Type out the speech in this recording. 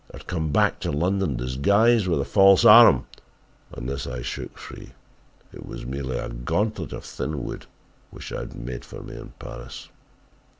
I had come back to London disguised with a false arm and this I shook free. It was merely a gauntlet of thin wood which I had had made for me in Paris.